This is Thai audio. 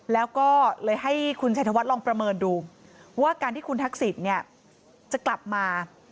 แล้วก็เลยให้คุณชัยธวัฒนลองประเมินดูว่าการที่คุณทักษิณจะกลับมา